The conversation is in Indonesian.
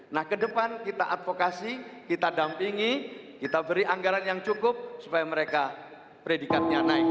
nah ke depan kita advokasi kita dampingi kita beri anggaran yang cukup supaya mereka predikatnya naik